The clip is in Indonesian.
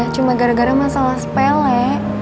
cuma gara gara masalah sepele